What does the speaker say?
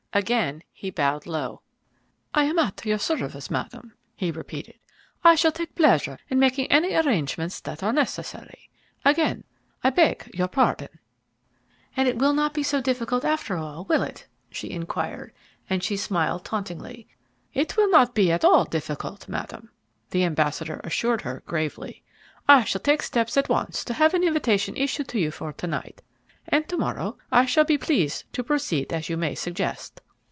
Again he bowed low. "I am at your service, Madam," he repeated. "I shall take pleasure in making any arrangements that are necessary. Again, I beg your pardon." "And it will not be so very difficult, after all, will it?" she inquired, and she smiled tauntingly. "It will not be at all difficult, Madam," the ambassador assured her gravely. "I shall take steps at once to have an invitation issued to you for to night; and to morrow I shall be pleased to proceed as you may suggest."